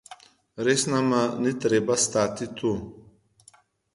Res nama ni treba stati tu.